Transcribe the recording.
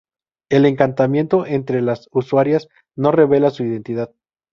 el encaminamiento entre las usuarias no revela su identidad